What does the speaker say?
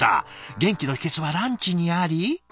元気の秘けつはランチにあり？